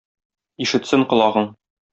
Ишетсен колагың!